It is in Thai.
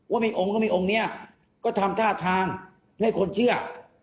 ว่ามีองค์ก็มีองค์นี้ก็ทำท่าทางให้คนเชื่อ